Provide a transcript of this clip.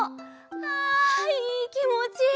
あいいきもち！